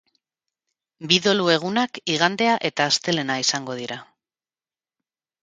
Bi dolu-egunak igandea eta astelehena izango dira.